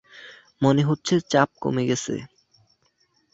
মনে হচ্ছে, চাপ কমে গেছে।